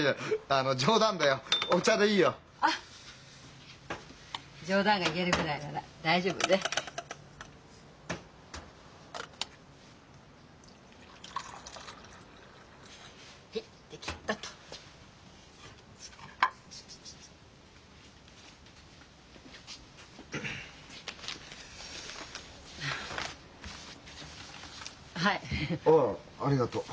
ああありがとう。